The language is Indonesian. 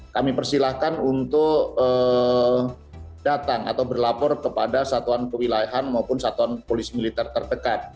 kami persilahkan untuk datang atau berlapor kepada satuan kewilayahan maupun satuan polisi militer terdekat